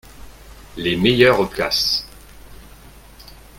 Les meilleures places.